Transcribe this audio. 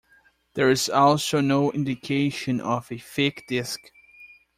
There is also no indication of a thick disk.